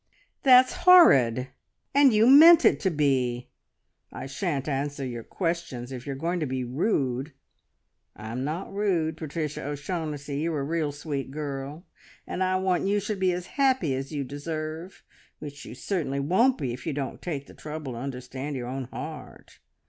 "That's horrid, and you meant it to be! I shan't answer your questions if you're going to be rude." "I'm not rude, Patricia O'Shaughnessy. You're a real sweet girl, and I want you should be as happy as you deserve, which you certainly won't be if you don't take the trouble to understand your own heart.